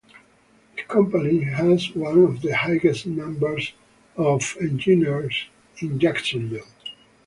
The company has one of the highest numbers of engineers in Jacksonville.